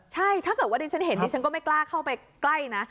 ใช่ถ้าเกิดว่าดิฉันเห็นดิฉันก็ไม่กล้าเข้าไปใกล้นะ